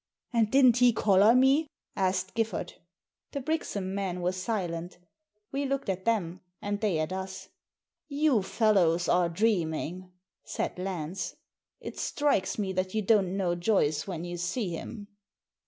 " And didn't he collar me ?" asked Giffard. The Brixham men were silent We looked at them, and they at us. "You fellows are dreaming," said Lance. "It strikes me that you don't know Joyce when you see him."